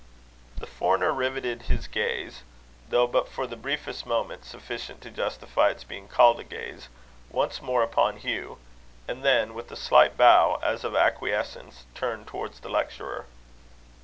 The foreigner riveted his gaze, though but for the briefest moment sufficient to justify its being called a gaze, once more upon Hugh; and then, with a slight bow, as of acquiescence, turned towards the lecturer.